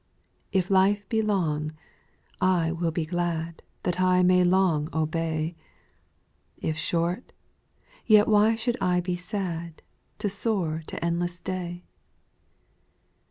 2. If life be long, I will be glad, That I may long obey ; If short, yet why should I be sad To soar to endless day